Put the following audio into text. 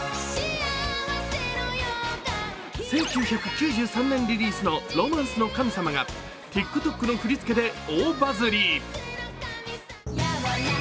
１９９３年リリースの「ロマンスの神様」がＴｉｋＴｏｋの振り付けで大バズリ。